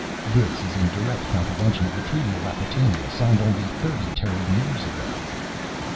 This is in direct countervention of the Treaty of Acquatainia, signed only thirty Terran years ago."